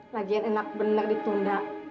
lagian enak bener ditunda